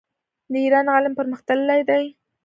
د ایران علم پرمختللی دی.